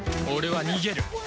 俺は逃げる！